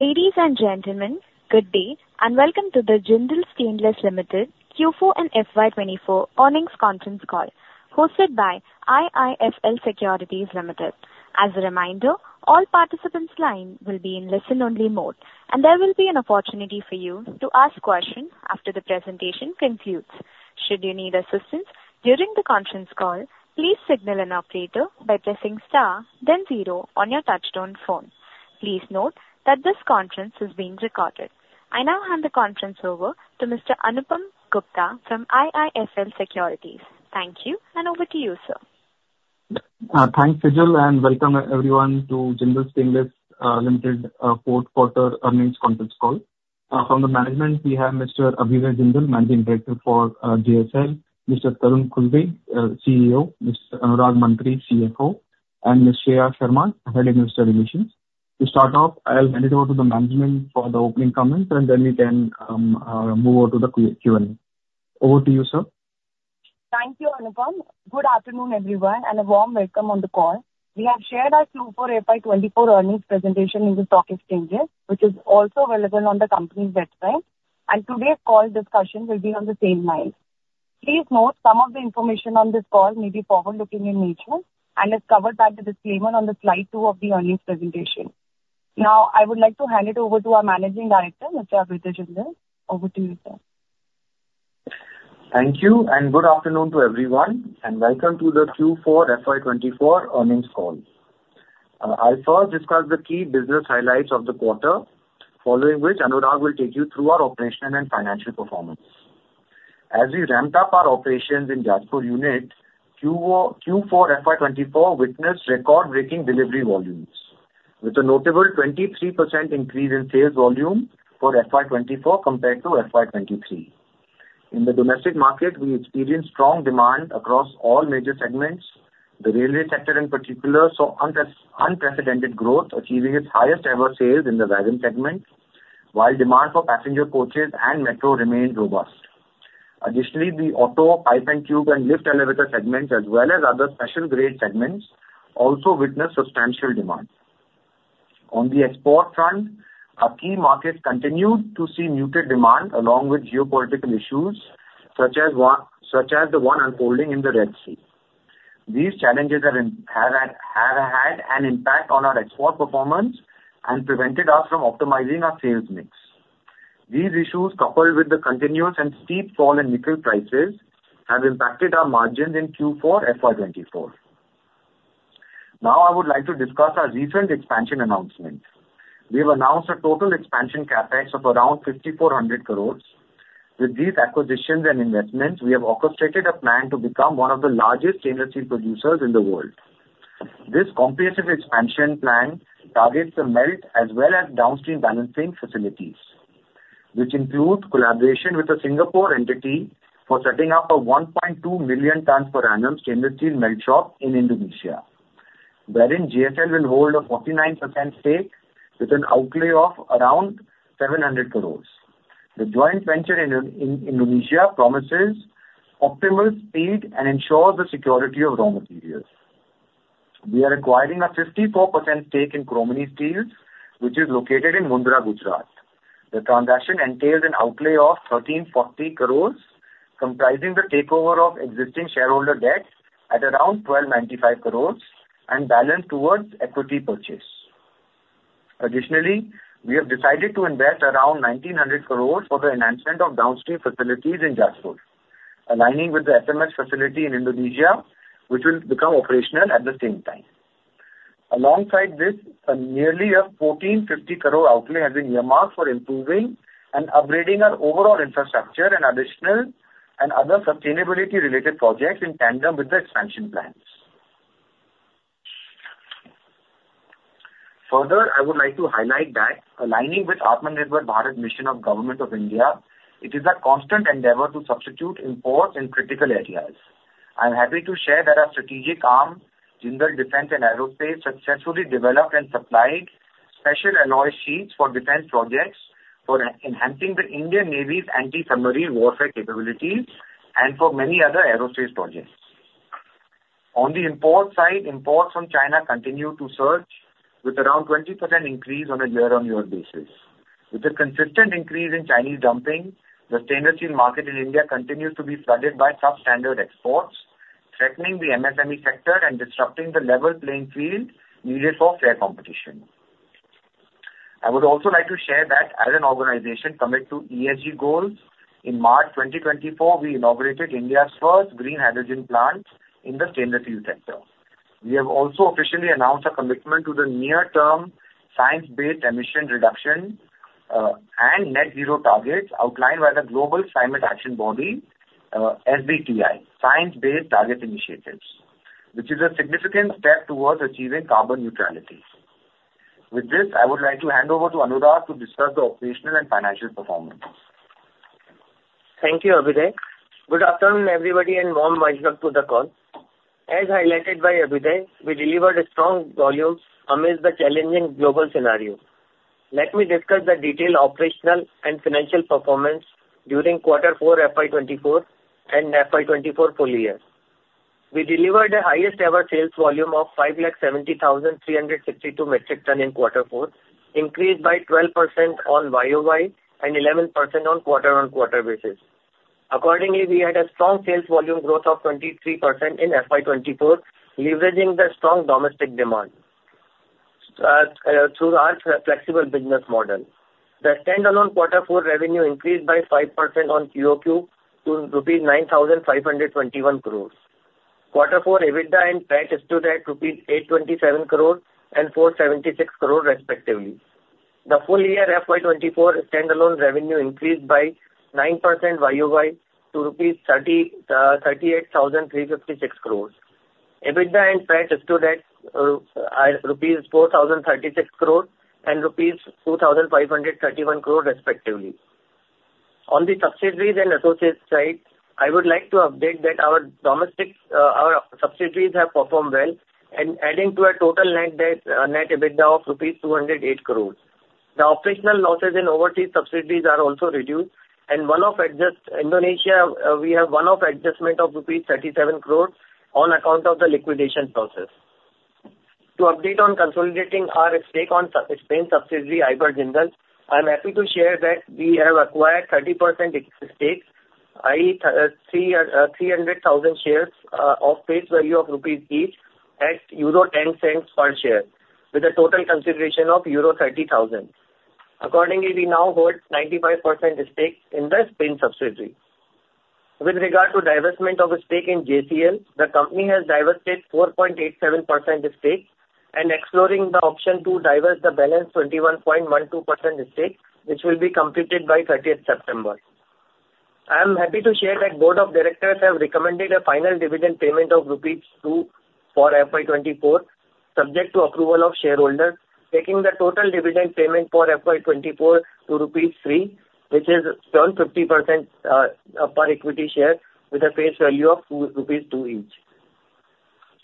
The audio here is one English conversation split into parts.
Ladies and gentlemen, good day, and welcome to the Jindal Stainless Limited Q4 and FY 2024 earnings conference call, hosted by IIFL Securities Limited. As a reminder, all participants' line will be in listen-only mode, and there will be an opportunity for you to ask questions after the presentation concludes. Should you need assistance during the conference call, please signal an operator by pressing star then zero on your touchtone phone. Please note that this conference is being recorded. I now hand the conference over to Mr. Anupam Gupta from IIFL Securities. Thank you, and over to you, sir. Thanks, Sajal, and welcome, everyone, to Jindal Stainless Limited fourth quarter earnings conference call. From the management, we have Mr. Abhyuday Jindal, Managing Director for JSL; Mr. Tarun Khulbe, CEO; Mr. Anurag Mantri, CFO; and Ms. Shreya Sharma, Head of Investor Relations. To start off, I'll hand it over to the management for the opening comments, and then we can move on to the Q&A. Over to you, sir. Thank you, Anupam. Good afternoon, everyone, and a warm welcome on the call. We have shared our Q4 FY 2024 earnings presentation in the stock exchanges, which is also available on the company's website, and today's call discussion will be on the same line. Please note, some of the information on this call may be forward-looking in nature and is covered by the disclaimer on the Slide 2 of the earnings presentation. Now, I would like to hand it over to our Managing Director, Mr. Abhyuday Jindal. Over to you, sir. Thank you, and good afternoon to everyone, and welcome to the Q4 FY 2024 earnings call. I'll first discuss the key business highlights of the quarter, following which Anurag will take you through our operational and financial performance. As we ramped up our operations in Jajpur unit, Q4 FY 2024 witnessed record-breaking delivery volumes, with a notable 23% increase in sales volume for FY 2024 compared to FY 2023. In the domestic market, we experienced strong demand across all major segments. The railway sector, in particular, saw unprecedented growth, achieving its highest ever sales in the wagon segment, while demand for passenger coaches and metro remained robust. Additionally, the auto, pipe and tube, and lift elevator segments, as well as other special grade segments, also witnessed substantial demand. On the export front, our key markets continued to see muted demand along with geopolitical issues, such as the one unfolding in the Red Sea. These challenges have had an impact on our export performance and prevented us from optimizing our sales mix. These issues, coupled with the continuous and steep fall in nickel prices, have impacted our margins in Q4 FY2024. Now, I would like to discuss our recent expansion announcement. We have announced a total expansion CapEx of around 5,400 crores. With these acquisitions and investments, we have orchestrated a plan to become one of the largest stainless steel producers in the world. This comprehensive expansion plan targets the melt as well as downstream balancing facilities, which include collaboration with a Singapore entity for setting up a 1.2 million tons per annum stainless steel melt shop in Indonesia, wherein JSL will hold a 49% stake with an outlay of around 700 crores. The joint venture in Indonesia promises optimal speed and ensures the security of raw materials. We are acquiring a 54% stake in Chromeni Steel, which is located in Mundra, Gujarat. The transaction entails an outlay of 1,340 crores, comprising the takeover of existing shareholder debt at around 1,295 crores and balance towards equity purchase. Additionally, we have decided to invest around 1,900 crores for the enhancement of downstream facilities in Jajpur, aligning with the SMS facility in Indonesia, which will become operational at the same time. Alongside this, a nearly 1,450 crore outlay has been earmarked for improving and upgrading our overall infrastructure and additional and other sustainability-related projects in tandem with the expansion plans. Further, I would like to highlight that aligning with Atmanirbhar Bharat mission of Government of India, it is our constant endeavor to substitute imports in critical areas. I'm happy to share that our strategic arm, Jindal Defence and Aerospace, successfully developed and supplied special alloy sheets for defense projects for enhancing the Indian Navy's anti-submarine warfare capabilities and for many other aerospace projects. On the import side, imports from China continue to surge, with around 20% increase on a year-on-year basis. With a consistent increase in Chinese dumping, the stainless steel market in India continues to be flooded by substandard exports, threatening the MSME sector and disrupting the level playing field needed for fair competition. I would also like to share that as an organization committed to ESG goals, in March 2024, we inaugurated India's first green hydrogen plant in the stainless steel sector. We have also officially announced a commitment to the near-term science-based emission reduction, and net zero targets outlined by the global climate action body, SBTi, Science Based Targets initiative, which is a significant step towards achieving carbon neutrality. With this, I would like to hand over to Anurag to discuss the operational and financial performance. Thank you, Abhyuday. Good afternoon, everybody, and warm welcome to the call. As highlighted by Abhyuday, we delivered a strong volume amidst the challenging global scenario. Let me discuss the detailed operational and financial performance during quarter four FY 2024 and FY 2024 full year.... We delivered the highest ever sales volume of 570,362 metric tons in quarter four, increased by 12% on YoY and 11% on quarter-over-quarter basis. Accordingly, we had a strong sales volume growth of 23% in FY 2024, leveraging the strong domestic demand through our flexible business model. The standalone quarter four revenue increased by 5% on QoQ to rupees 9,521 crores. Quarter four EBITDA and PAT stood at rupees 827 crores and 476 crores respectively. The full year, FY 2024 standalone revenue increased by 9% YoY to 38,356 crores rupees. EBITDA and PAT stood at 4,036 crores rupees and 2,531 crores rupees respectively. On the subsidiaries and associates side, I would like to update that our domestic, our subsidiaries have performed well and adding to a total net debt, net EBITDA of rupees 208 crores. The operational losses in overseas subsidiaries are also reduced and one-off adjustment Indonesia, we have one-off adjustment of rupees 37 crores on account of the liquidation process. To update on consolidating our stake in the Spain subsidiary, Iberjindal, I'm happy to share that we have acquired 30% equity stakes, i.e., 300,000 shares of face value of rupees each at 0.10 per share, with a total consideration of euro 30,000. Accordingly, we now hold 95% stake in the Spain subsidiary. With regard to divestment of a stake in JCL, the company has divested 4.87% stake and exploring the option to divest the balance 21.12% stake, which will be completed by 30th September. I am happy to share that Board of Directors have recommended a final dividend payment of rupees 2 for FY 2024, subject to approval of shareholders, taking the total dividend payment for FY 2024 to INR 3, which is 12.50%, per equity share with a face value of INR 2 each.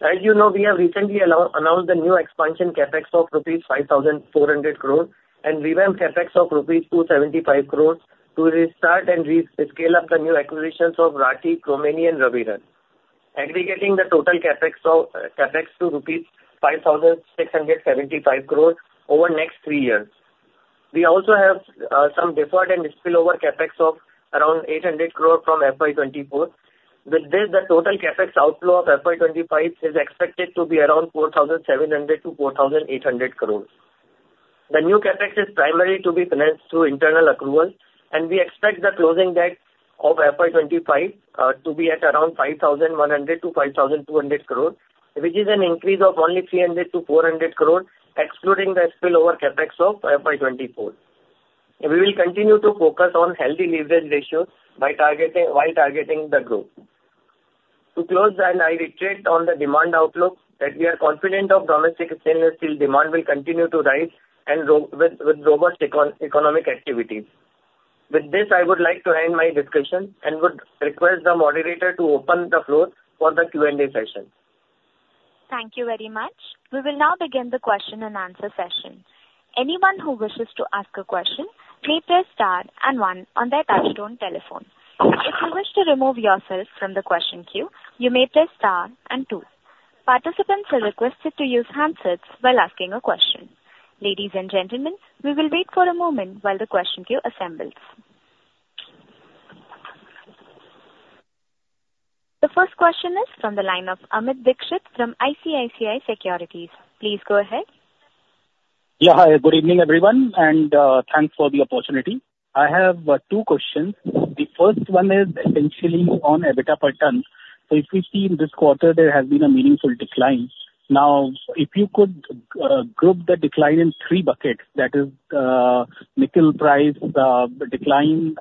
As you know, we have recently announced the new expansion CapEx of 5,400 crore and revamp CapEx of 275 crore to restart and re-scale up the new acquisitions of Rathi, Chromeni and Rabirun. Aggregating the total CapEx of, CapEx to rupees 5,675 crore over next three years. We also have some deferred and spillover CapEx of around 800 crore from FY 2024. With this, the total CapEx outflow of FY 2025 is expected to be around 4,700 crores-4,800 crores. The new CapEx is primarily to be financed through internal accrual, and we expect the closing debt of FY 2025 to be at around 5,100 crores-5,200 crores, which is an increase of only 300 crores-400 crores, excluding the spillover CapEx of FY 2024. We will continue to focus on healthy leverage ratios by targeting, while targeting the growth. To close, and I reiterate on the demand outlook, that we are confident of domestic stainless steel demand will continue to rise and with robust economic activities. With this, I would like to end my discussion and would request the moderator to open the floor for the Q&A session. Thank you very much. We will now begin the question and answer session. Anyone who wishes to ask a question, please press star and one on their touchtone telephone. If you wish to remove yourself from the question queue, you may press star and two. Participants are requested to use handsets while asking a question. Ladies and gentlemen, we will wait for a moment while the question queue assembles. The first question is from the line of Amit Dixit from ICICI Securities. Please go ahead. Yeah, hi, good evening, everyone, and thanks for the opportunity. I have two questions. The first one is essentially on EBITDA per ton. So if we see in this quarter, there has been a meaningful decline. Now, if you could group the decline in three buckets, that is nickel price decline,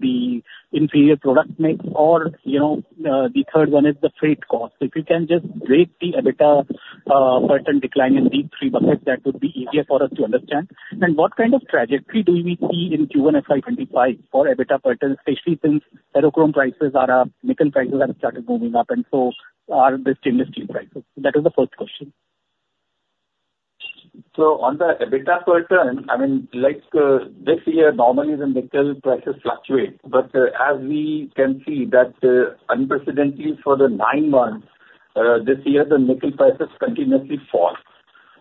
the inferior product mix or, you know, the third one is the freight cost. So if you can just break the EBITDA per ton decline in the three buckets, that would be easier for us to understand. And what kind of trajectory do we see in Q1 FY 2025 for EBITDA per ton, especially since ferrochrome prices are up, nickel prices have started moving up, and so are the stainless steel prices? That is the first question. So on the EBITDA per ton, I mean, like, this year, normally the nickel prices fluctuate, but, as we can see that, unprecedentedly for the nine months, this year, the nickel prices continuously fall.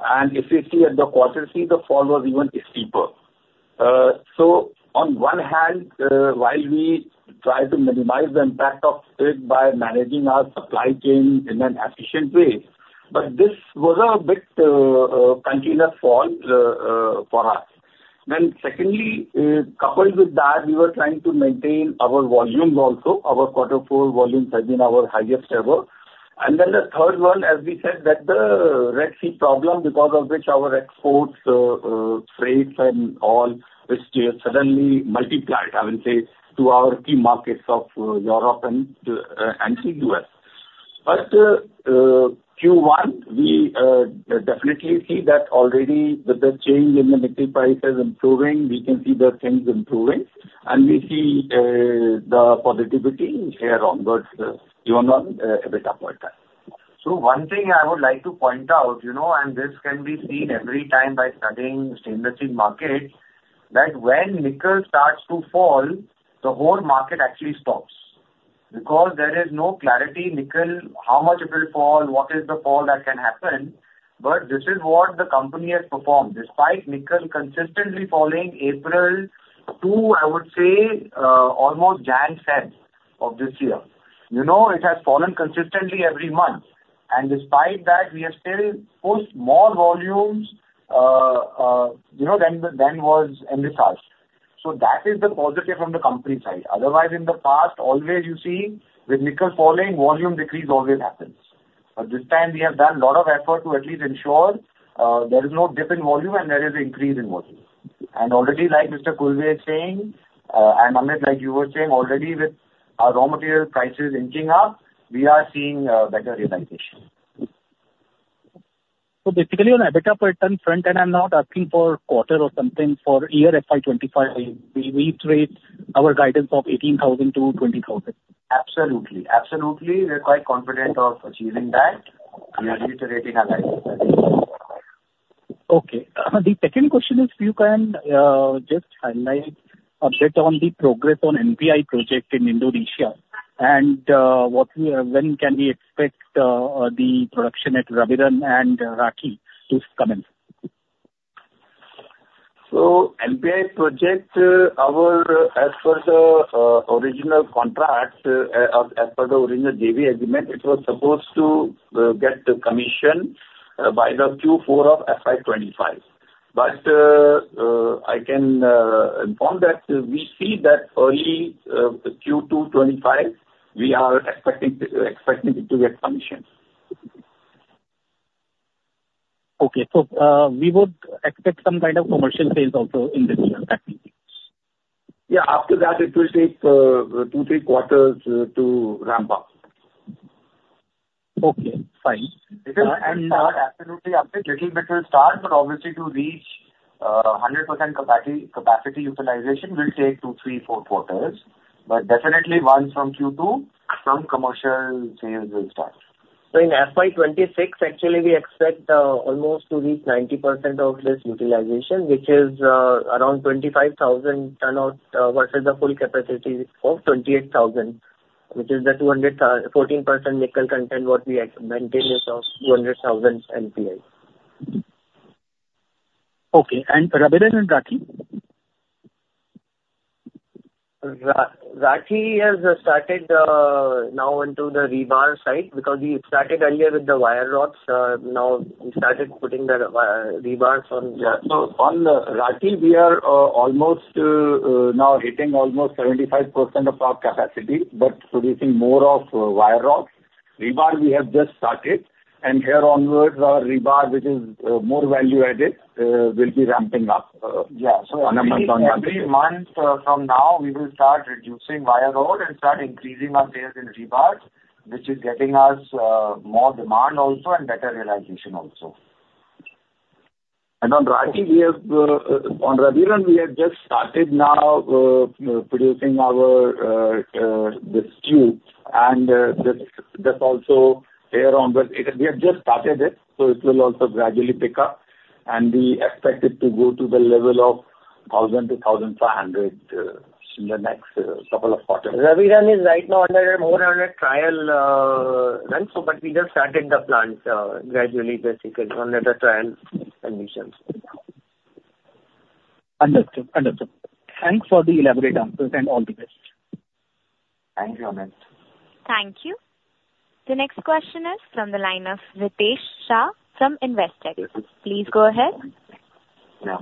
And if you see at the quarter three, the fall was even steeper. So on one hand, while we try to minimize the impact of it by managing our supply chain in an efficient way, but this was a bit, continuous fall, for us. Then secondly, coupled with that, we were trying to maintain our volume also. Our quarter four volumes has been our highest ever. And then the third one, as we said, that the Red Sea problem, because of which our exports, freight and all, which suddenly multiplied, I will say, to our key markets of, Europe and, and the U.S. But, Q1, we, definitely see that already with the change in the nickel prices improving, we can see the things improving, and we see, the positivity here onwards, even on, EBITDA per ton. So one thing I would like to point out, you know, and this can be seen every time by studying stainless steel markets, that when nickel starts to fall the whole market actually stops, because there is no clarity, nickel, how much it will fall, what is the fall that can happen, but this is what the company has performed. Despite nickel consistently falling April to, I would say, almost January, February, of this year. You know, it has fallen consistently every month, and despite that, we have still pushed more volumes, you know, than the, than was in this chart. So that is the positive from the company side. Otherwise, in the past, always you see, with nickel falling, volume decrease always happens. But this time we have done a lot of effort to at least ensure, there is no dip in volume and there is increase in volume. And already, like Mr. Khulbe is saying, and Amit, like you were saying, already with our raw material prices inching up, we are seeing better realization. So basically on a better return front, and I'm not asking for quarter or something, for year FY 25, we, we treat our guidance of 18,000-20,000? Absolutely. Absolutely, we're quite confident of achieving that. We are reiterating our guidance. Okay. The second question is, if you can just highlight update on the progress on the NPI project in Indonesia, and when can we expect the production at Rabirun and Rathi to commence? So NPI project, as per the original contract, as per the original JV agreement, it was supposed to get commissioned by the Q4 of FY 2025. But, I can inform that we see that early Q2 2025, we are expecting it to get commissioned. Okay. So, we would expect some kind of commercial phase also in this year, I think. Yeah. After that, it will take two to three quarters to ramp up. Okay, fine. It will absolutely, I think, little bit will start, but obviously to reach 100% capacity utilization will take two, three, four quarters. But definitely once from Q2, some commercial sales will start. So in FY 2026, actually, we expect almost to reach 90% of this utilization, which is around 25,000 tonne turnout versus the full capacity for 28,000 tonnes, which is the 200,000 14% nickel content what we maintain is of 200,000 NPI. Okay. And Rabirun and Rathi Super Steel? Rathi has started now into the rebar side, because we started earlier with the wire rods. Now we started putting the rebars on. Yeah, so on Rathi, we are almost now hitting almost 75% of our capacity, but producing more of wire rods. Rebar, we have just started, and here onwards, our rebar, which is more value-added, will be ramping up. Yeah. On month-on-month. Every month, from now, we will start reducing wire rod and start increasing our sales in rebars, which is getting us more demand also and better realization also. On Rathi, we have on Rabirun, we have just started now producing our the steel, and this also here on, but it has, we have just started it, so it will also gradually pick up, and we expect it to go to the level of 1,000-1,500 in the next couple of quarters. Rabirun is right now under more under trial run, so but we just started the plant gradually, basically, under the trial conditions. Understood. Understood. Thanks for the elaborate answers, and all the best. Thanks, Amit. Thank you. The next question is from the line of Ritesh Shah from Investec. Please go ahead. Yeah.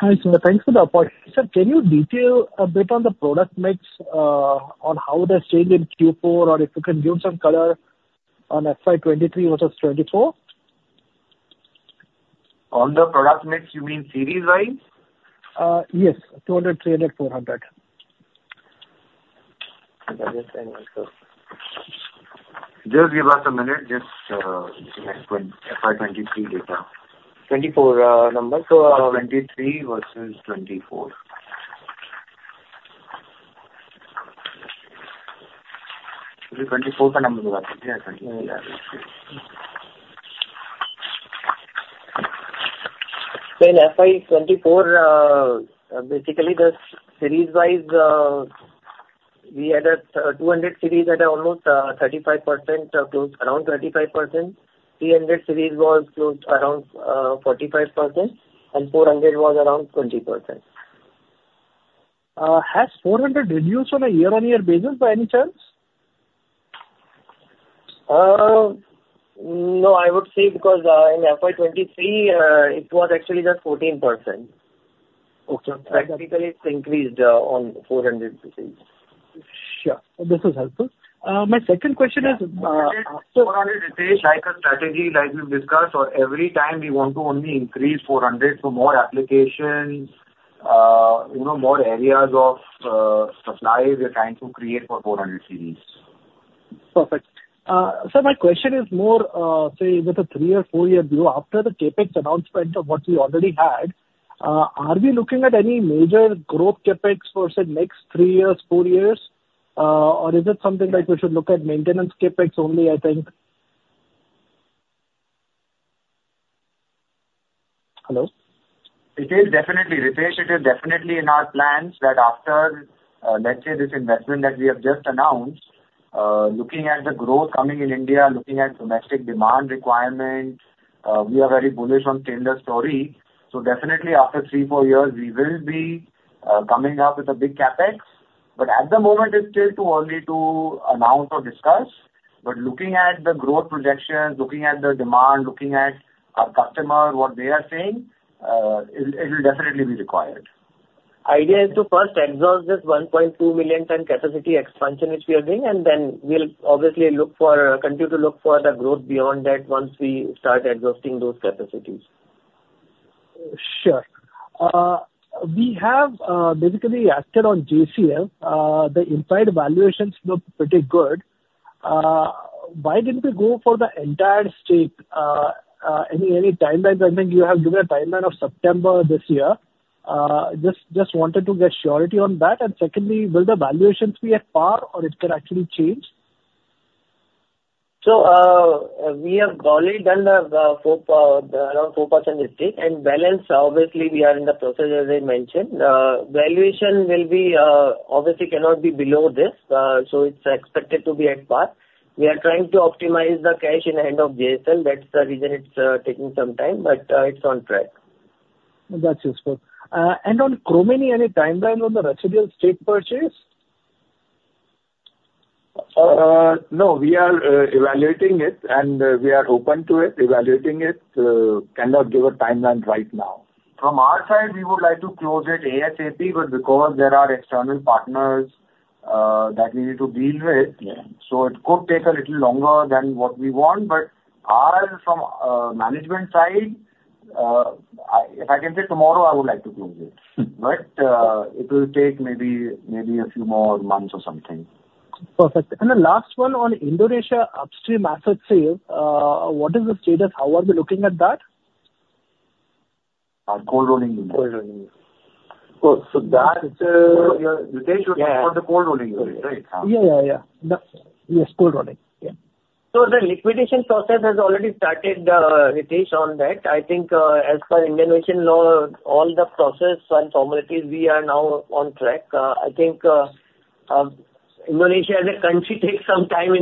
Hi, sir, thanks for the opportunity. Sir, can you detail a bit on the product mix, on how they changed in Q4, or if you can give some color on FY 2023 versus 2024? On the product mix, you mean series wise? Yes, 200, 300, 400. I understand also. Just give us a minute, just, let me find FY 2023 data. 2024, numbers, so, 2023 versus 2024. So in FY 2024, basically the series wise, we had a 200 series at almost 35%, close, around 35%. 300 series was close around 45%, and 400 was around 20%. Has 400 reduced on a year-on-year basis by any chance? No, I would say because in FY 2023 it was actually just 14%. Okay. So basically, it's increased on 400 series. Sure. This is helpful. My second question is, 400, Ritesh, like a strategy, like we've discussed, so every time we want to only increase 400, so more applications, you know, more areas of supply we are trying to create for 400 series. Perfect. Sir, my question is more, say, with a three or four year view, after the CapEx announcement of what we already had, are we looking at any major growth CapEx for, say, next three years, four years? Or is it something like we should look at maintenance CapEx only, I think? Hello? It is definitely, Ritesh, it is definitely in our plans that after, let's say this investment that we have just announced, looking at the growth coming in India, looking at domestic demand requirements, we are very bullish on tender story. So definitely after three to four years, we will be coming up with a big CapEx. But at the moment, it's still too early to announce or discuss. But looking at the growth projections, looking at the demand, looking at our customer, what they are saying, it, it will definitely be required. Idea is to first exhaust this 1.2 million ton capacity expansion, which we are doing, and then we'll obviously look for, continue to look for the growth beyond that once we start exhausting those capacities. Sure. We have basically acted on JCL. The inside valuations look pretty good. Why didn't we go for the entire stake? Any timelines? I think you have given a timeline of September this year. Just wanted to get surety on that. And secondly, will the valuations be at par, or it can actually change? So, we have only done the four, around 4% stake, and balance, obviously, we are in the process, as I mentioned. Valuation will be, obviously cannot be below this, so it's expected to be at par. We are trying to optimize the cash in the hand of JSL. That's the reason it's taking some time, but it's on track. That's useful. On Chromeni, any timeline on the residual stake purchase? No, we are evaluating it, and we are open to it, evaluating it. Cannot give a timeline right now. From our side, we would like to close it ASAP, but because there are external partners that we need to deal with- Yeah. So it could take a little longer than what we want. But as from management side, if I can say tomorrow, I would like to close it. But it will take maybe, maybe a few more months or something. Perfect. And the last one, on Indonesia upstream asset sale, what is the status? How are we looking at that? Our cold rolling unit. Cold rolling unit. So that Ritesh was for the cold rolling unit, right? Yeah, yeah, yeah. The, yes, cold rolling. Yeah. So the liquidation process has already started, Ritesh, on that. I think, as per Indonesian law, all the process and formalities, we are now on track. I think, Indonesia as a country takes some time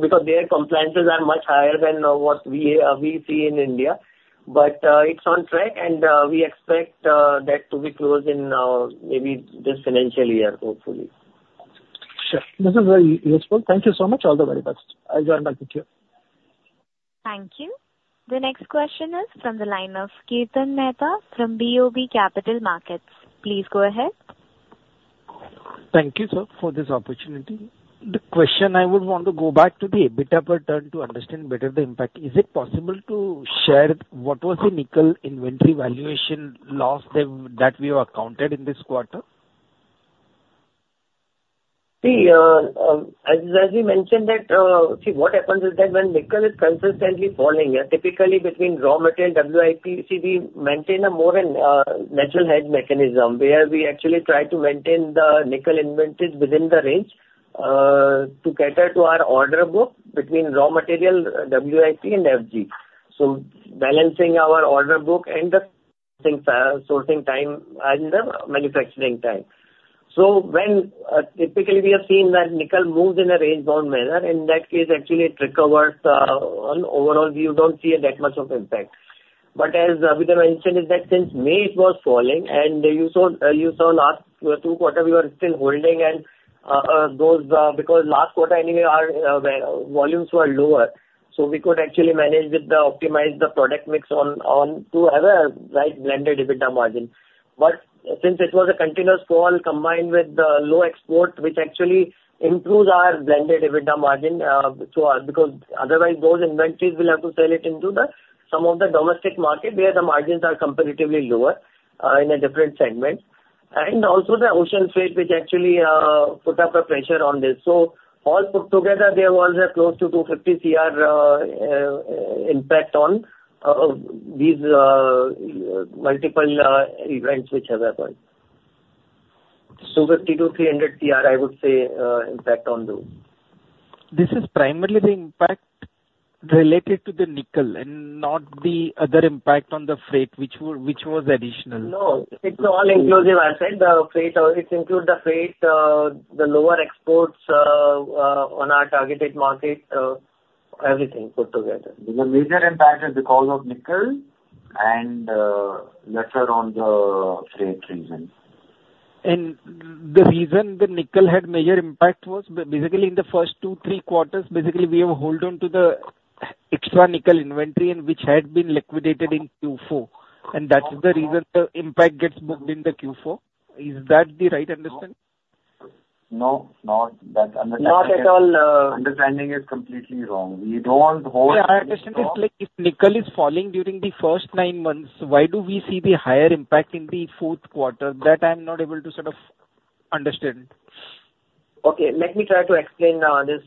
because their compliances are much higher than what we see in India. But, it's on track, and we expect that to be closed in maybe this financial year, hopefully. Sure. This is very useful. Thank you so much. All the very best. I'll join back with you. Thank you. The next question is from the line of Kirtan Mehta from BOB Capital Markets. Please go ahead. Thank you, sir, for this opportunity. The question, I would want to go back to the EBITDA return to understand better the impact. Is it possible to share what was the nickel inventory valuation loss that we have accounted in this quarter? See, as we mentioned that, what happens is that when nickel is consistently falling, yeah, typically between raw material and WIP, you see, we maintain a more natural hedge mechanism, where we actually try to maintain the nickel inventories within the range to cater to our order book between raw material, WIP and FG. So balancing our order book and the sourcing time and the manufacturing time. So when typically we have seen that nickel moves in a range-bound manner, in that case, actually it recovers on overall, you don't see that much of impact. But as Vidya mentioned, is that since May, it was falling, and you saw, you saw last two quarter, we were still holding and, those, because last quarter anyway, our volumes were lower, so we could actually manage with the optimized the product mix on, on... to have a right blended EBITDA margin. But since it was a continuous fall, combined with the low export, which actually improves our blended EBITDA margin, so, because otherwise those inventories will have to sell it into the, some of the domestic market, where the margins are competitively lower, in a different segment. And also the ocean freight, which actually put up a pressure on this. So all put together, there was a close to 250 crore impact on these multiple events which have occurred. So 50 crore-300 crore, I would say, impact on those. This is primarily the impact related to the nickel and not the other impact on the freight, which was additional? No, it's all inclusive. I said the freight, it includes the freight, the lower exports, on our targeted market, everything put together. The major impact is because of nickel and lesser on the freight reason. The reason the nickel had major impact was basically in the first two, three quarters, basically, we have hold on to the extra nickel inventory and which had been liquidated in Q4, and that is the reason the impact gets booked in the Q4. Is that the right understanding? No, not that- Not at all. Understanding is completely wrong. We don't hold- Yeah, our question is like, if nickel is falling during the first nine months, why do we see the higher impact in the fourth quarter? That I'm not able to sort of understand. Okay, let me try to explain, this,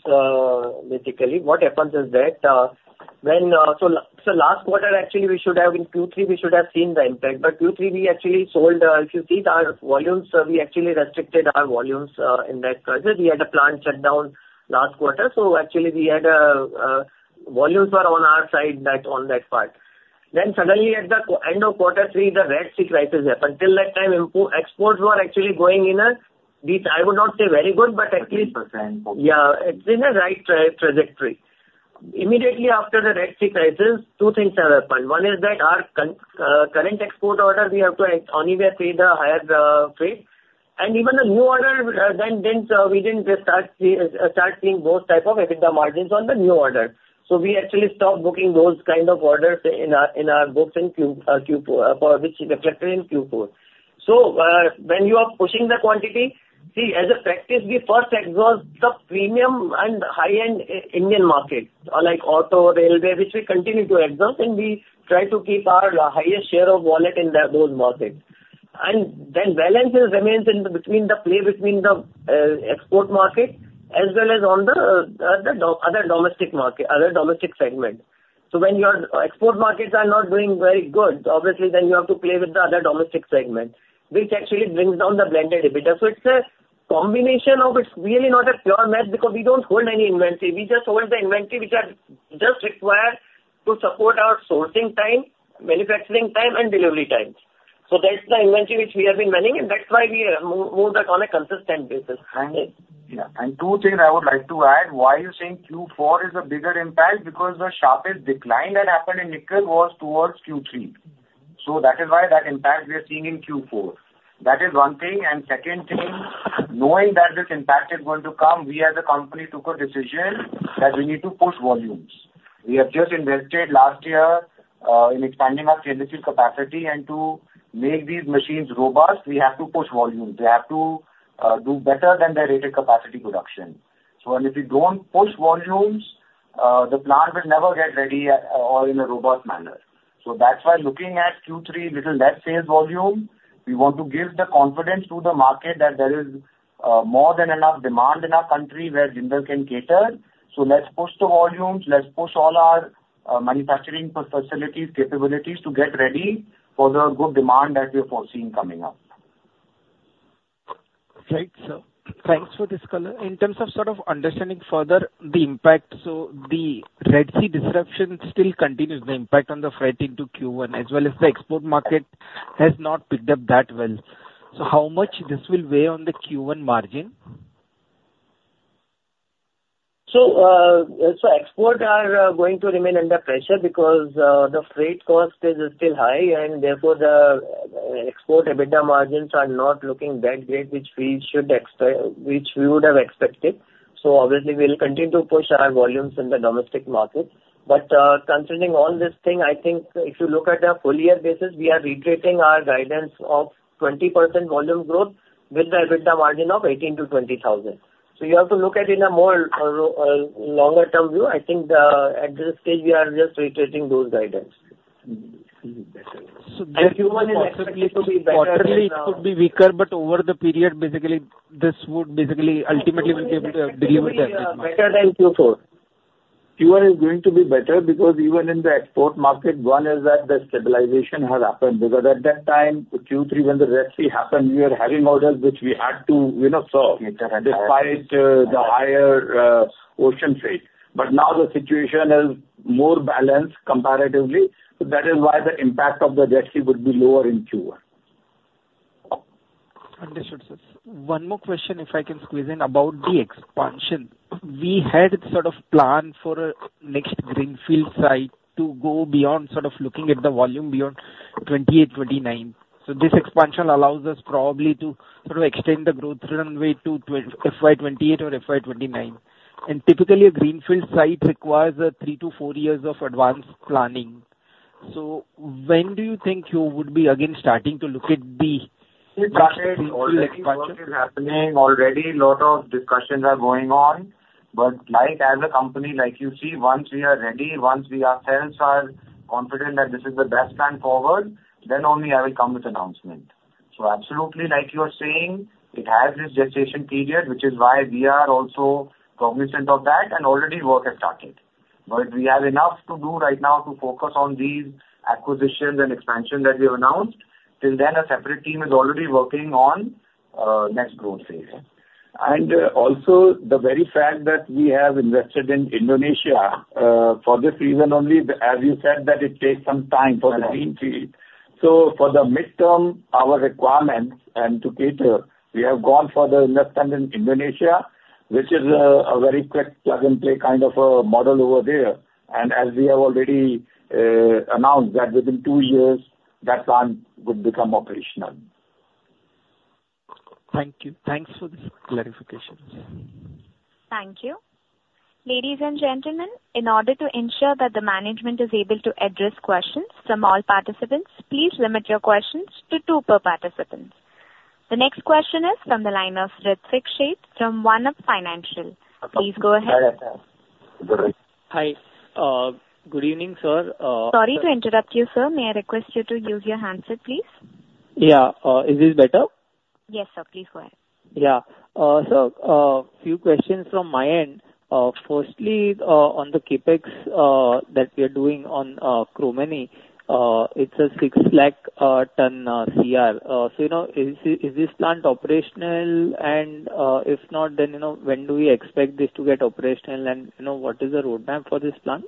basically. What happens is that, when... So last quarter, actually, we should have, in Q3, we should have seen the impact, but Q3, we actually sold, if you see our volumes, we actually restricted our volumes, in that quarter. We had a plant shutdown last quarter, so actually we had volumes were on our side, that, on that part. Then suddenly, at the end of quarter three, the Red Sea crisis happened. Until that time, exports were actually going in a, which I would not say very good, but at least- 30%. Yeah, it's in the right trajectory. Immediately after the Red Sea crisis, two things have happened. One is that our current export order, we have to anyway pay the higher freight. And even the new order, we didn't just start seeing those type of EBITDA margins on the new order. So we actually stopped booking those kind of orders in our books in Q4, for which is reflected in Q4. So, when you are pushing the quantity, see, as a practice, we first exhaust the premium and high-end Indian market, like auto, railway, which we continue to exhaust, and we try to keep our highest share of wallet in those markets. Then balances remains in the between the play, between the export market, as well as on the other domestic market, other domestic segment. So when your export markets are not doing very good, obviously, then you have to play with the other domestic segment, which actually brings down the blended EBITDA. So it's a combination of, it's really not a pure math, because we don't hold any inventory. We just hold the inventory which are just required to support our sourcing time, manufacturing time, and delivery times. So that's the inventory which we have been running, and that's why we move that on a consistent basis. And, yeah, and two things I would like to add. Why you're seeing Q4 is a bigger impact, because the sharpest decline that happened in nickel was towards Q3. So that is why that impact we are seeing in Q4. That is one thing. And second thing, knowing that this impact is going to come, we as a company took a decision that we have just invested last year in expanding our capacity. And to make these machines robust, we have to push volumes. They have to do better than their rated capacity production. So and if you don't push volumes, the plant will never get ready at, or in a robust manner. So that's why, looking at Q3, little less sales volume, we want to give the confidence to the market that there is more than enough demand in our country where Jindal can cater. So let's push the volumes, let's push all our manufacturing facilities, capabilities to get ready for the good demand that we are foreseeing coming up. Right, sir. Thanks for this color. In terms of sort of understanding further the impact, so the Red Sea disruption still continues the impact on the freight into Q1, as well as the export market has not picked up that well. So how much this will weigh on the Q1 margin? So, export are going to remain under pressure because the freight cost is still high, and therefore the export EBITDA margins are not looking that great, which we would have expected. So obviously, we'll continue to push our volumes in the domestic market. But, considering all this thing, I think if you look at a full year basis, we are reiterating our guidance of 20% volume growth with the EBITDA margin of 18,000-20,000. So you have to look at in a more longer term view. I think, at this stage, we are just reiterating those guidance. So- Q1 is expected to be better than- ...quarterly could be weaker, but over the period, basically, this would basically, ultimately, we'll be able to deliver that. Better than Q4. Q1 is going to be better because even in the export market, one is that the stabilization has happened. Because at that time, Q3, when the Red Sea happened, we were having orders which we had to, you know, serve, despite the higher ocean freight. But now the situation is more balanced comparatively. So that is why the impact of the Red Sea would be lower in Q1. Understood, sir. One more question, if I can squeeze in about the expansion. We had sort of planned for a next greenfield site to go beyond, sort of looking at the volume beyond 28, 29. So this expansion allows us probably to sort of extend the growth runway to FY 2028 or FY 2029. And typically, a greenfield site requires three to four years of advanced planning. So when do you think you would be again starting to look at the- Already work is happening, already a lot of discussions are going on. But like as a company, like you see, once we are ready, once we ourselves are confident that this is the best plan forward, then only I will come with announcement. So absolutely, like you are saying, it has this gestation period, which is why we are also cognizant of that, and already work has started. But we have enough to do right to focus on these acquisitions and expansion that we have announced. Till then, a separate team is already working on next growth phase. And, also the very fact that we have invested in Indonesia for this reason only, as you said, that it takes some time for the greenfield. So for the midterm, our requirements and to cater, we have gone for the investment in Indonesia, which is a very quick plug-and-play kind of a model over there. And as we have already announced that within two years, that plant would become operational. Thank you. Thanks for this clarification. Thank you. Ladies and gentlemen, in order to ensure that the management is able to address questions from all participants, please limit your questions to two per participant. The next question is from the line of Ritwik Sheth from OneUp Financial. Please go ahead. Go ahead. Hi, good evening, sir. Sorry to interrupt you, sir. May I request you to use your handset, please? Yeah. Is this better? Yes, sir. Please go ahead. Yeah. So, few questions from my end. Firstly, on the CapEx that we are doing on Chromeni, it's a 600,000-ton CR. So, you know, is this plant operational? And, if not, then, you know, when do we expect this to get operational? And, you know, what is the roadmap for this plant?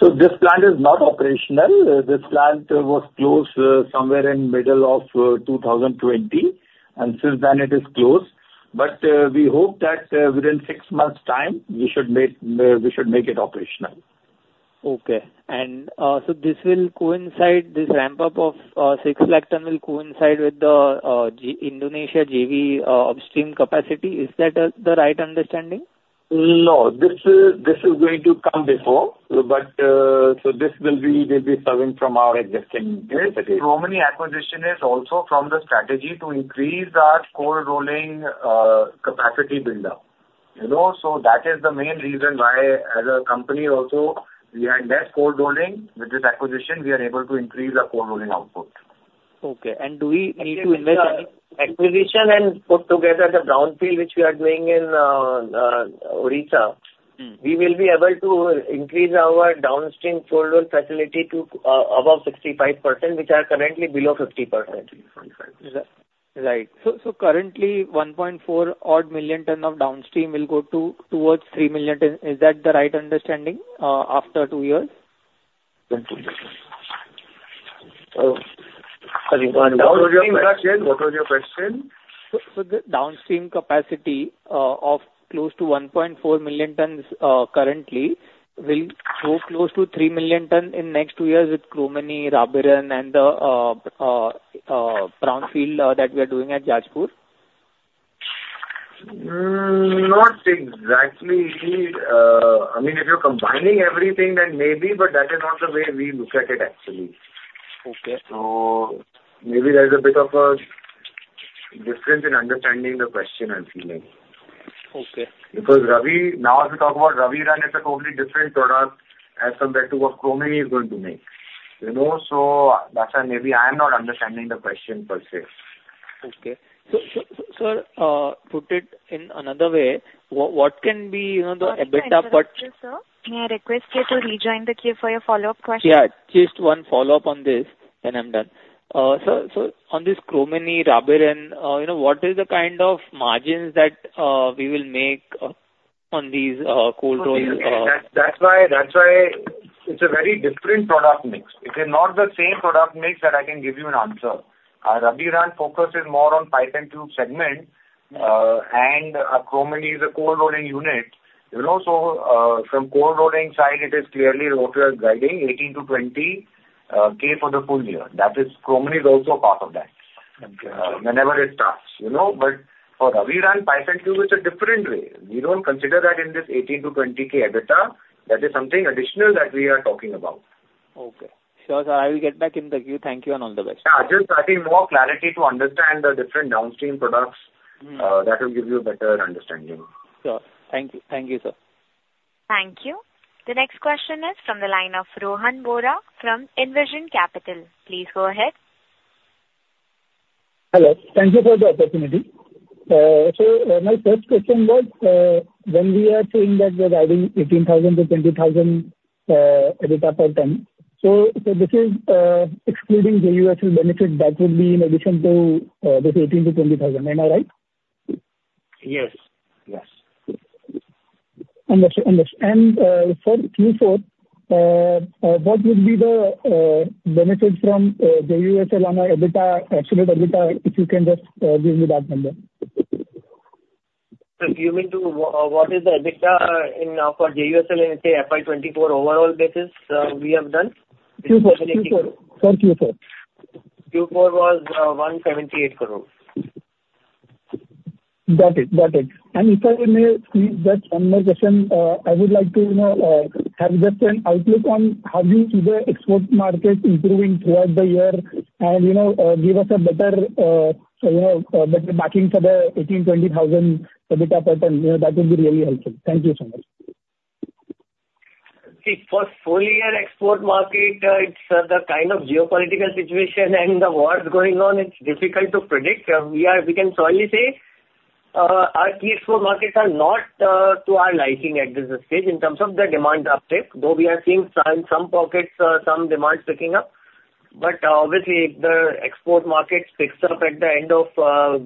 So this plant is not operational. This plant was closed somewhere in middle of 2020, and since then it is closed. But we hope that within six months' time, we should make it operational. Okay. So this will coincide, this ramp up of 600,000 tons will coincide with the Indonesia JV upstream capacity. Is that the right understanding? No, this is, this is going to come before, but, so this will be, will be serving from our existing capacity. This Chromeni acquisition is also from the strategy to increase our cold rolling capacity buildup. You know, so that is the main reason why as a company also, we are less cold rolling. With this acquisition, we are able to increase our cold rolling output. Okay. And do we need to invest- Acquisition and put together the brownfield which we are doing in Odisha we will be able to increase our downstream cold roll facility to above 65%, which are currently below 50%. Right. So, so currently, 1.4 odd million ton of downstream will go to towards 3 million ton. Is that the right understanding after two years? What was your question? What was your question? So the downstream capacity of close to 1.4 million tons currently will go close to 3 million tons in next two years with Chromeni, Rabirun, and the brownfield that we are doing at Jajpur? Not exactly. I mean, if you're combining everything, then maybe, but that is not the way we look at it, actually. Okay. So maybe there's a bit of a difference in understanding the question, I feel like. Okay. Because Ravi, now if you talk about Rabirun, it's a totally different product as compared to what Chromeni is going to make. You know? So that's why maybe I'm not understanding the question per se. Okay. So, put it in another way, what, what can be, you know, the EBITDA part- Sir, may I request you to rejoin the queue for your follow-up question? Yeah, just one follow-up on this, then I'm done. So, on this Chromeni, Rabirun, you know, what is the kind of margins that we will make on these cold rolls? That's, that's why, that's why it's a very different product mix. It is not the same product mix that I can give you an answer. Our Rabirun focus is more on pipe and tube segment, and Chromeni is a cold rolling unit. You know, so, from cold rolling side, it is clearly what we are guiding, 18,000-20,000 for the full year. That is, Chromeni is also a part of that. Okay. Whenever it starts, you know? But for Rabirun pipe and tube, it's a different way. We don't consider that in this 18,000-20,000 EBITDA. That is something additional that we are talking about. Okay. Sure, sir, I will get back in the queue. Thank you and all the best. Yeah, just I think more clarity to understand the different downstream products that will give you a better understanding. Sure. Thank you. Thank you, sir. Thank you. The next question is from the line of Rohan Vora from Envision Capital. Please go ahead. Hello. Thank you for the opportunity. So, my first question was, when we are saying that we are guiding 18,000-20,000 EBITDA per ton, so this is excluding the JUSL benefit that would be in addition to this 18,000-20,000. Am I right? Yes. Yes. Understood, understood. And, for Q4, what would be the benefit from JUSL on our EBITDA, absolute EBITDA, if you can just give me that number? Sir, you mean to, what is the EBITDA in, for JUSL in, say, FY 2024 overall basis, we have done? Q4. Q4. For Q4. Q4 was INR 178 crore. Got it, got it. And if I may squeeze just one more question, I would like to, you know, have just an outlook on how do you see the export market improving throughout the year, and, you know, give us a better, you know, better backing for the 18,000-20,000 EBITDA per ton. You know, that would be really helpful. Thank you so much. See, for full year export market, it's the kind of geopolitical situation and the wars going on; it's difficult to predict. We can surely say our key export markets are not to our liking at this stage in terms of the demand uptick, though we are seeing some pockets, some demand picking up. But obviously, if the export market picks up at the end of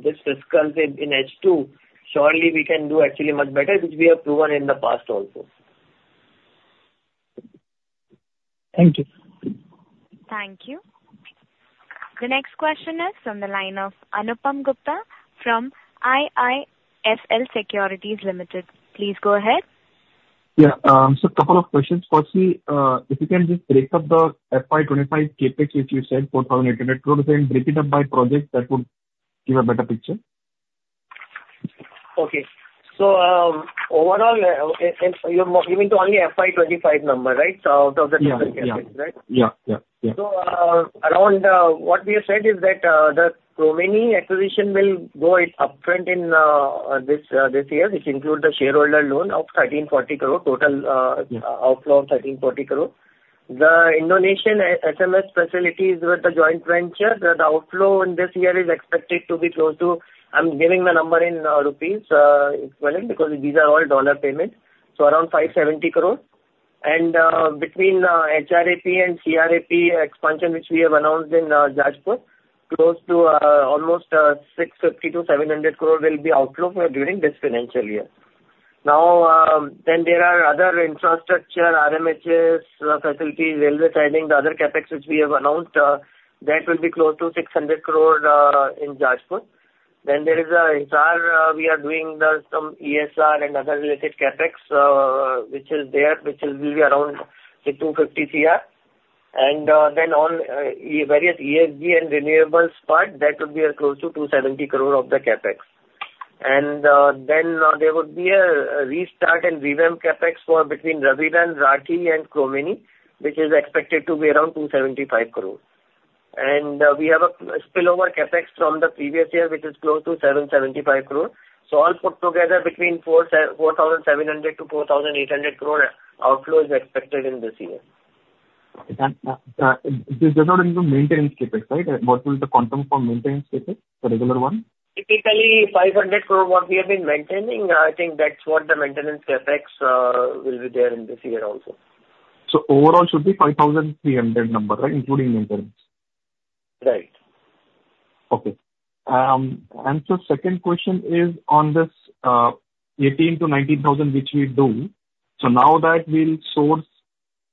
this fiscal year in H2, surely we can do actually much better, which we have proven in the past also. Thank you. Thank you. The next question is from the line of Anupam Gupta from IIFL Securities Limited. Please go ahead. Yeah, so couple of questions. Firstly, if you can just break up the FY 2025 CapEx, which you said, 4,800 crore, and break it up by project, that would give a better picture. Okay. So, overall, you're moving to only FY 2025 number, right? So out of the total CapEx, right? Yeah, yeah, yeah. So, around what we have said is that the Chromeni acquisition will go it upfront in this year, which include the shareholder loan of 1,340 crore, total outflow of 1,340 crore. The Indonesian SMS facilities with the joint venture, the outflow in this year is expected to be close to, I'm giving the number in rupees equivalent, because these are all dollar payments, so around 570 crore. And between HRAP and CRAP expansion, which we have announced in Jajpur, close to almost 650 crore-700 crore will be outflowed during this financial year. Now, then there are other infrastructure, RMHS facilities, railway siding, the other CapEx which we have announced, that will be close to 600 crore in Jajpur. Then there is HR, we are doing some ESR and other related CapEx, which will be around 250 crore. And then on various ESG and renewables part, that would be close to 270 crore of the CapEx. And then there would be a restart and revamp CapEx for between Rabirun and Rathi and Chromeni, which is expected to be around 275 crore. And we have a spillover CapEx from the previous year, which is close to 775 crore. So all put together between 4,700 crore-4,800 crore outflow is expected in this year. This does not include maintenance CapEx, right? What will the quantum for maintenance CapEx, the regular one? Typically, 500 crore what we have been maintaining, I think that's what the maintenance CapEx will be there in this year also. Overall should be 5,300 number, right, including maintenance? Right. Okay. And so second question is on this, 18,000-19,000, which we do. So now that we'll source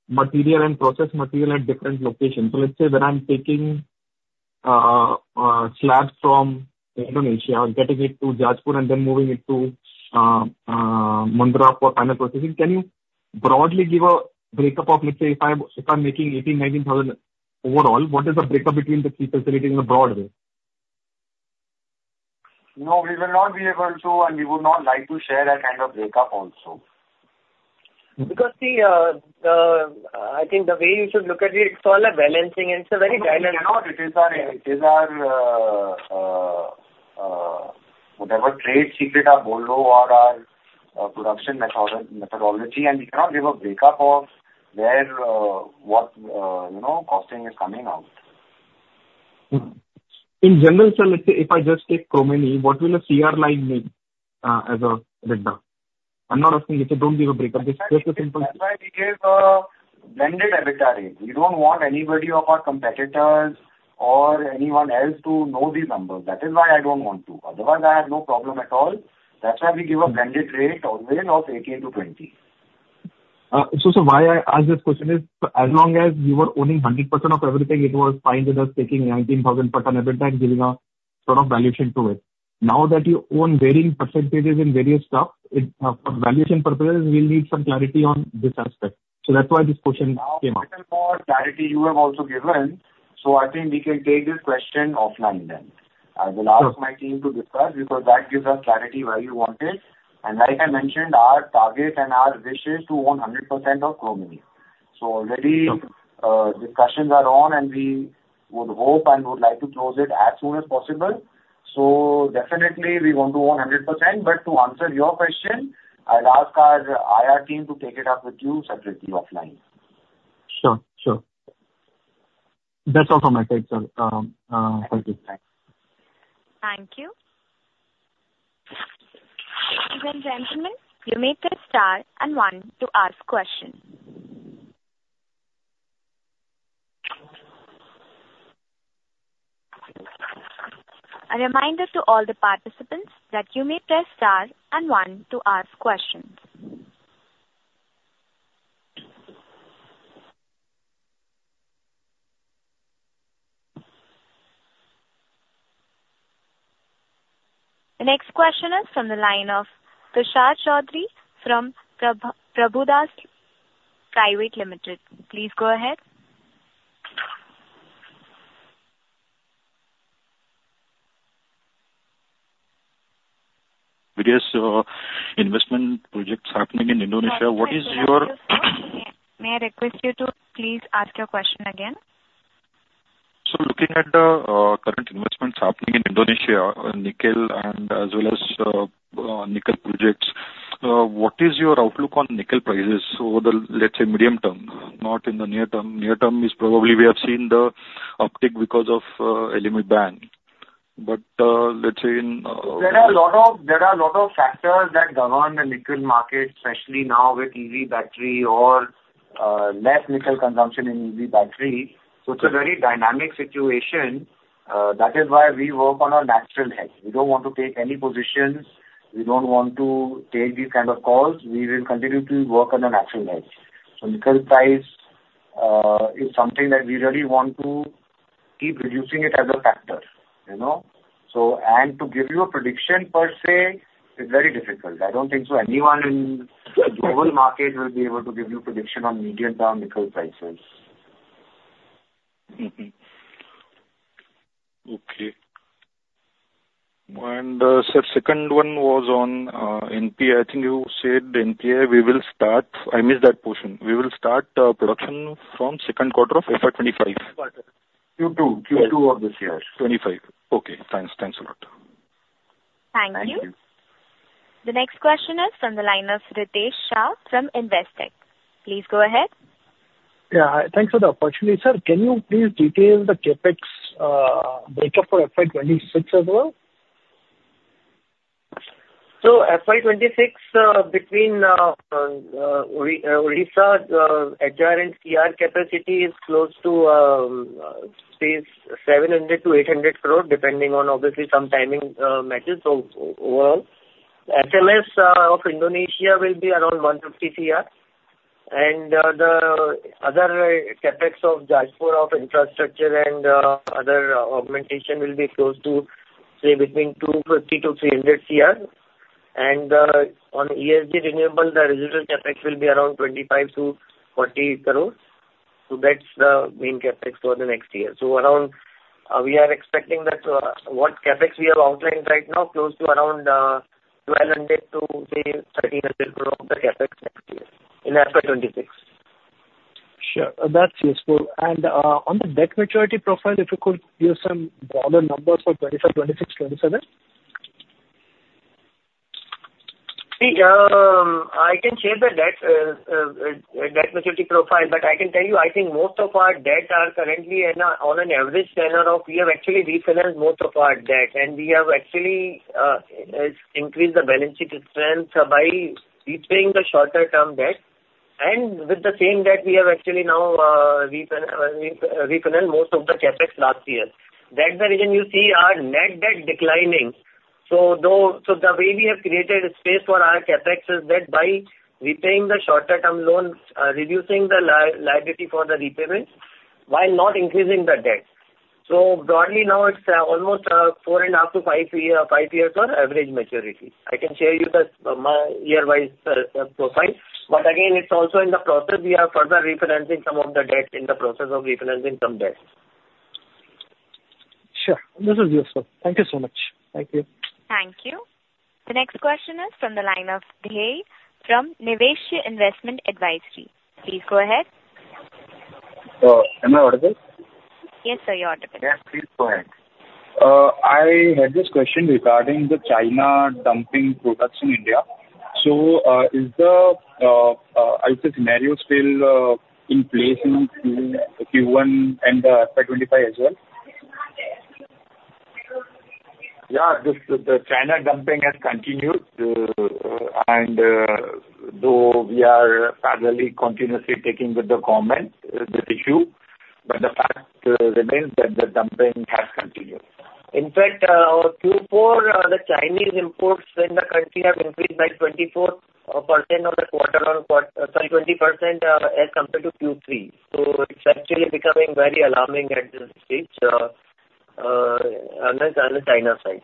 material and process material at different locations, so let's say when I'm taking slabs from Indonesia, getting it to Jajpur and then moving it to Mundra for final processing, can you broadly give a breakup of, let's say, if I'm making 18,000-19,000 overall, what is the breakup between the three facilities in a broad way? No, we will not be able to, and we would not like to share that kind of breakup also. Because, see, the, I think the way you should look at it, it's all a balancing and it's a very dynamic. No, we cannot. It is our, it is our, whatever, trade secret or our, our production method, methodology, and we cannot give a breakup of where, what, you know, costing is coming out. In general, sir, let's say if I just take Chromeni, what will the CR line be, as a letdown? I'm not asking you to don't give a breakup, just a simple- That's why we gave a blended EBITDA rate. We don't want anybody of our competitors or anyone else to know these numbers. That is why I don't want to. Otherwise, I have no problem at all. That's why we give a blended rate of 18,000-20,000. So, why I ask this question is, as long as you were owning 100% of everything, it was fine with us taking 19,000 ton EBITDA and giving a sort of valuation to it. Now that you own varying percentages in various stuff, it, for valuation purposes, we'll need some clarity on this aspect. So that's why this question came up. For clarity, you have also given, so I think we can take this question offline then. Sure. I will ask my team to discuss, because that gives us clarity where you want it. Like I mentioned, our target and our wish is to own 100% of Chromeni. Sure. So already, discussions are on, and we would hope and would like to close it as soon as possible. So definitely, we want to own 100%. But to answer your question, I'd ask our IR team to take it up with you separately, offline. Sure. Sure. That's all from my side, sir. Thank you. Thank you. Ladies and gentlemen, you may press star and one to ask questions. A reminder to all the participants that you may press star and one to ask questions. The next question is from the line of Tushar Chaudhari from Prabhudas Lilladher. Please go ahead. With this, investment projects happening in Indonesia, what is your- May I request you to please ask your question again? So looking at the current investments happening in Indonesia, nickel and as well as, nickel projects, what is your outlook on nickel prices over the, let's say, medium term, not in the near term. Near term is probably we have seen the uptick because of, LME ban. But, let's say in, There are a lot of, there are a lot of factors that govern the nickel market, especially now with EV battery or, less nickel consumption in EV battery. So it's a very dynamic situation. That is why we work on a natural hedge. We don't want to take any positions. We don't want to take these kind of calls. We will continue to work on a natural hedge. So nickel price is something that we really want to keep reducing it as a factor, you know? So... And to give you a prediction per se, is very difficult. I don't think so anyone in the global market will be able to give you prediction on medium-term nickel prices. Okay. Sir, second one was on NPI. I think you said NPI, we will start. I missed that portion. We will start production from second quarter of FY 2025. Q2. Q2 of this year. 2025. Okay, thanks. Thanks a lot. Thank you. The next question is from the line of Ritesh Shah from Investec. Please go ahead. Yeah, thanks for the opportunity. Sir, can you please detail the CapEx breakup for FY 2026 as well? So FY 2026, between Odisha, HR and CR capacity is close to, say, 700 crore-800 crore, depending on obviously some timing, matters. So overall, SMS of Indonesia will be around 150 crore. And, the other CapEx of Jajpur, of infrastructure and, other augmentation will be close to, say, between 250 crore-300 crore. And, on ESG renewables, the residual CapEx will be around 25 crore-40 crore. So that's the main CapEx for the next year. So around, we are expecting that, what CapEx we are outlining right now, close to around, 1,200 crore-1,300 crore of the CapEx next year, in FY 2026. Sure. That's useful. On the debt maturity profile, if you could give some broader numbers for 2025, 2026, 2027. See, I can share the debt maturity profile, but I can tell you, I think most of our debts are currently in an average tenor of... We have actually refinanced most of our debt, and we have actually has increased the balance sheet strength by repaying the shorter term debt. And with the same debt, we have actually now refinanced most of the CapEx last year. That's the reason you see our net debt declining. So though, so the way we have created space for our CapEx is that by repaying the shorter term loans, reducing the liability for the repayments, while not increasing the debt. So broadly now, it's almost four and a half to five year, five years for average maturity. I can share you the year-wise profile, but again, it's also in the process. We are further refinancing some of the debt, in the process of refinancing some debt. Sure. This is useful. Thank you so much. Thank you. Thank you. The next question is from the line of [Dehi] from Nivesh Investment Advisory. Please go ahead. Am I audible? Yes, sir, you're audible. Yes, please go ahead. I had this question regarding China dumping products in India. So, is the scenario still in place in Q1 and FY 2025 as well? Yeah. This, the China dumping has continued. And though we are parallelly continuously taking with the government this issue, but the fact remains that the dumping has continued. In fact, Q4, the Chinese imports in the country have increased by 24% on the quarter-on-quarter - sorry, 20%, as compared to Q3. So it's actually becoming very alarming at this stage, on the China side.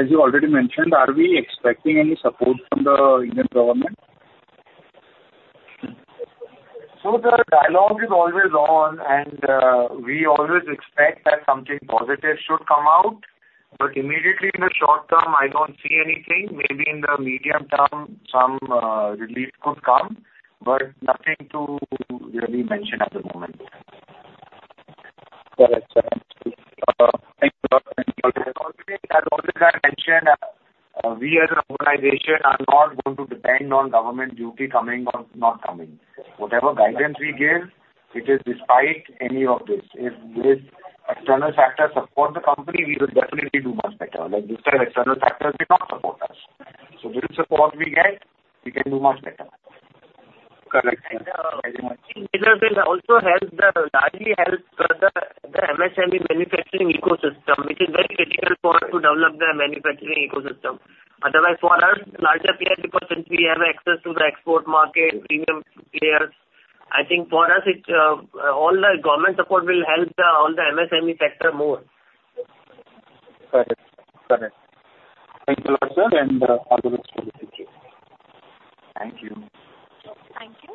As you already mentioned, are we expecting any support from the Indian government? So the dialogue is always on, and we always expect that something positive should come out, but immediately in the short term, I don't see anything. Maybe in the medium term, some relief could come, but nothing to really mention at the moment. Got it, sir. As always, I mentioned, we as an organization are not going to depend on government duty coming or not coming. Whatever guidance we give, it is despite any of this. If, if external factors support the company, we will definitely do much better. Like this time, external factors did not support us. So with support we get, we can do much better. Correct. Thank you very much. It will also largely help the MSME manufacturing ecosystem, which is very critical for us to develop the manufacturing ecosystem. Otherwise, for us larger players, because since we have access to the export market, premium players, I think for us, it's all the government support will help all the MSME sector more. Correct. Correct. Thank you very much, sir, and all the best to you. Thank you. Thank you.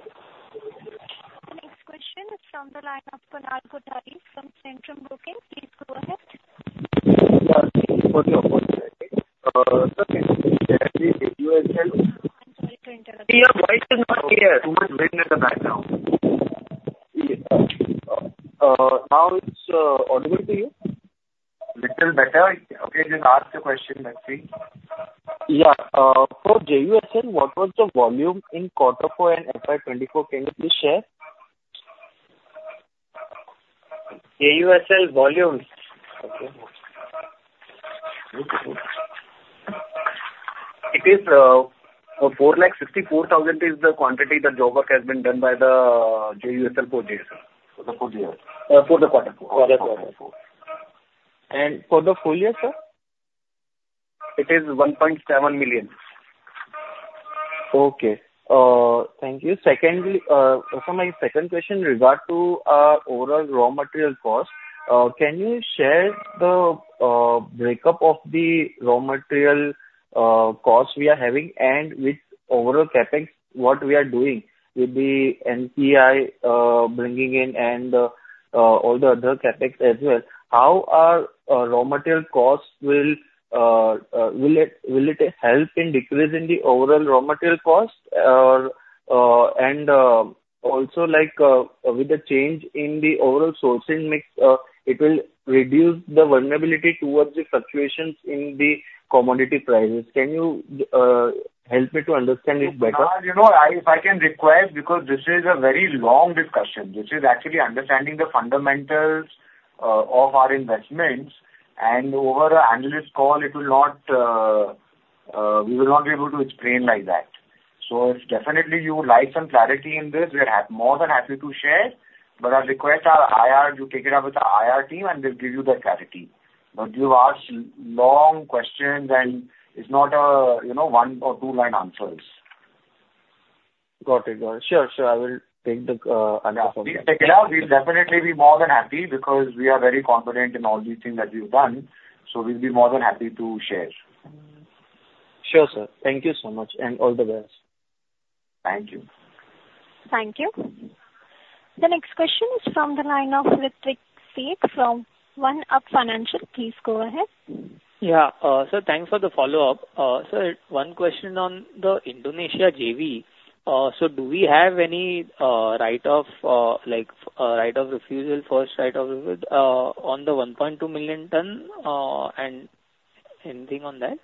The next question is from the line of Kunal Kothari from Centrum Broking. Please go ahead. Thank you for the opportunity. Sir, can you hear me, JUSL? I'm sorry to interrupt you. Yeah. Why is it not clear? Too much wind at the back now. Now it's audible to you? Little better. Okay, just ask the question again, please. Yeah. For JUSL, what was the volume in quarter four and FY 2024, can you please share? JUSL volume? Okay. It is 454,000, the quantity the job work has been done by the JUSL for JUSL. For the full year? For the quarter four. Quarter four. For the full year, sir? It is INR 1.7 million. Okay. Thank you. Secondly, my second question regard to overall raw material cost. Can you share the breakup of the raw material cost we are having, and with overall CapEx, what we are doing with the NPI bringing in and all the other CapEx as well? How will it help in decreasing the overall raw material costs? Also, like, with the change in the overall sourcing mix, it will reduce the vulnerability towards the fluctuations in the commodity prices. Can you help me to understand it better? Kunal, you know, if I can request, because this is a very long discussion, this is actually understanding the fundamentals of our investments, and over the analyst call, it will not, we will not be able to explain like that. So if definitely you would like some clarity in this, we are more than happy to share, but I request our IR, you take it up with the IR team, and they'll give you the clarity. But you ask long questions, and it's not a, you know, one or two line answers. Got it. Sure, sir, I will take the analysis. Take it out, we'll definitely be more than happy because we are very confident in all the things that we've done, so we'll be more than happy to share. Sure, sir. Thank you so much, and all the best. Thank you. Thank you. The next question is from the line of Ritwik Sheth from OneUp Financial. Please go ahead. Yeah. Sir, thanks for the follow-up. Sir, one question on the Indonesia JV. So do we have any, right of, like, right of refusal, first right of refusal, on the 1.2 million ton, and anything on that?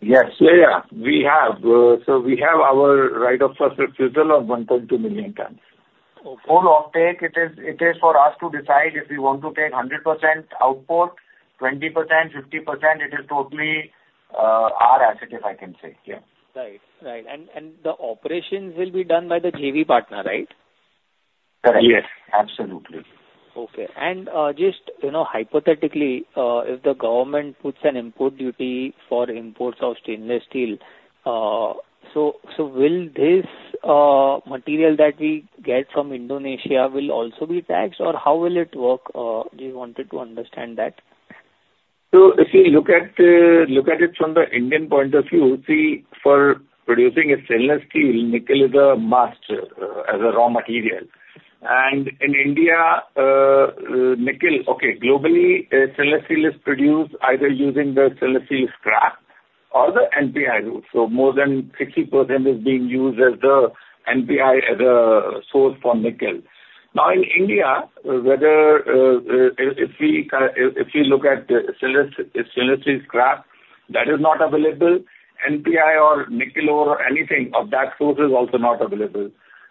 Yes. Yeah, yeah, we have. So we have our right of first refusal on 1.2 million tons. Full offtake, it is, it is for us to decide if we want to take 100% output, 20%, 50%. It is totally our asset, if I can say. Yeah. Right. Right. And, and the operations will be done by the JV partner, right? Correct. Yes, absolutely. Okay. And, just, you know, hypothetically, if the government puts an import duty for imports of stainless steel, so will this material that we get from Indonesia will also be taxed, or how will it work? Just wanted to understand that. So if you look at, look at it from the Indian point of view, see, for producing a stainless steel, nickel is a must, as a raw material. And in India, nickel—Okay, globally, stainless steel is produced either using the stainless steel scrap or the NPI route. So more than 60% is being used as the NPI, as a source for nickel. Now, in India, whether, if you look at the stainless steel scrap, that is not available, NPI or nickel or anything of that source is also not available.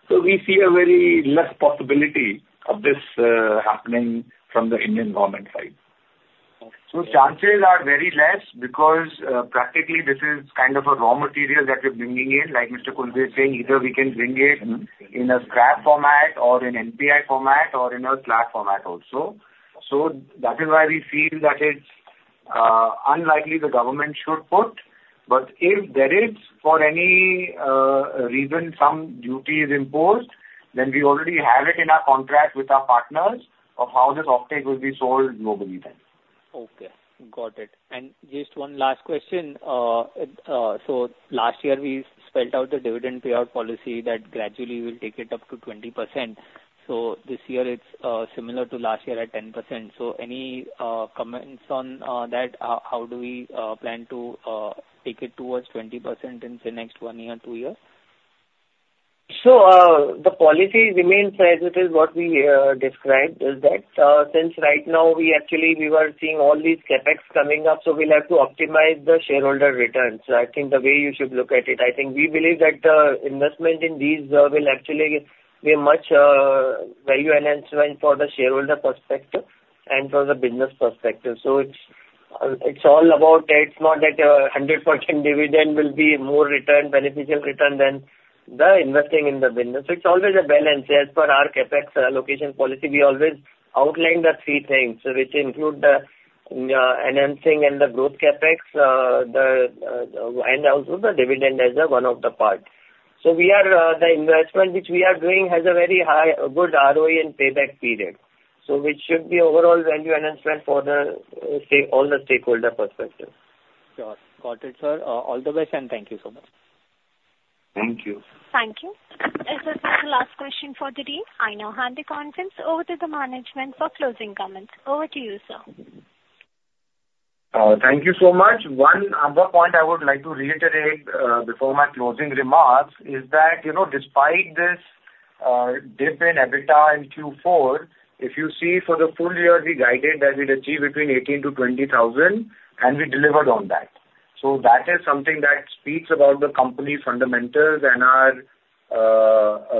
So we see a very less possibility of this, happening from the Indian government side. So chances are very less, because, practically this is kind of a raw material that we're bringing in. Like Mr. Khulbe said, either we can bring it in a scrap format or in NPI format or in a slab format also. So that is why we feel that it's unlikely the government should put, but if there is, for any reason, some duty is imposed, then we already have it in our contract with our partners of how this offtake will be sold globally then. Okay, got it. And just one last question. So last year, we spelled out the dividend payout policy that gradually will take it up to 20%. So this year it's similar to last year at 10%. So any comments on that? How do we plan to take it towards 20% in, say, next one year, two years? So, the policy remains as it is, what we described is that, since right now we actually were seeing all these CapEx coming up, so we'll have to optimize the shareholder returns. So I think the way you should look at it, I think we believe that the investment in these will actually be much value enhancement for the shareholder perspective and for the business perspective. So it's, it's all about... It's not that 100% dividend will be more return, beneficial return than the investing in the business. It's always a balance. As per our CapEx allocation policy, we always outline the three things, which include, enhancing and the growth CapEx, the, and also the dividend as a one of the part. So we are, the investment which we are doing has a very high, a good ROE and payback period. So which should be overall value enhancement for the stake, all the stakeholder perspective. Sure. Got it, sir. All the best, and thank you so much. Thank you. Thank you. As this is the last question for the day, I now hand the conference over to the management for closing comments. Over to you, sir. Thank you so much. One other point I would like to reiterate, before my closing remarks is that, you know, despite this, dip in EBITDA in Q4, if you see for the full year, we guided that we'd achieve between 18,000-20,000, and we delivered on that. So that is something that speaks about the company's fundamentals and our,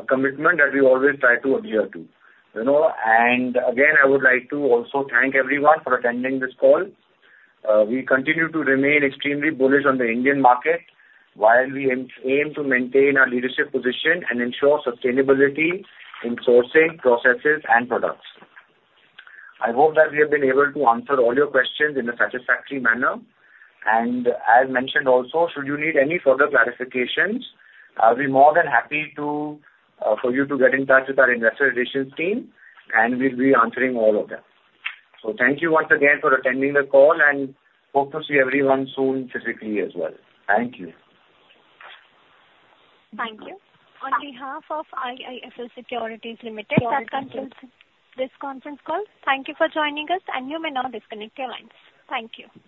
commitment that we always try to adhere to. You know, and again, I would like to also thank everyone for attending this call. We continue to remain extremely bullish on the Indian market, while we aim, aim to maintain our leadership position and ensure sustainability in sourcing, processes, and products. I hope that we have been able to answer all your questions in a satisfactory manner. As mentioned also, should you need any further clarifications, I'll be more than happy to, for you to get in touch with our investor relations team, and we'll be answering all of them. Thank you once again for attending the call, and hope to see everyone soon, physically as well. Thank you. Thank you. On behalf of IIFL Securities Limited, that concludes this conference call. Thank you for joining us, and you may now disconnect your lines. Thank you.